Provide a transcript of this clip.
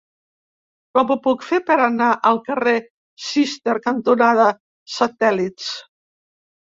Com ho puc fer per anar al carrer Cister cantonada Satèl·lits?